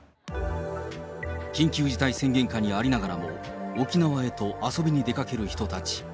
緊急事態宣言下にありながらも、沖縄へと遊びに出かける人たち。